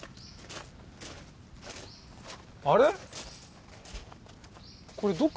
あれ？